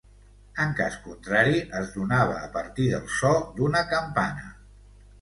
En cas contrari, es donava a partir del so d'una campana.